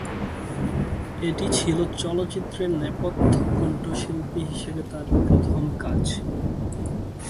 এটি ছিল চলচ্চিত্রে নেপথ্য কণ্ঠশিল্পী হিসেবে তার প্রথম কাজ।